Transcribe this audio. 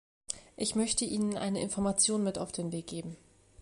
Ich möchte Ihnen eine Information mit auf den Weg geben.